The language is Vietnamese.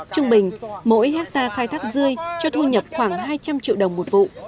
trung bình mỗi hectare khai thác dươi cho thu nhập khoảng hai trăm linh triệu đồng một vụ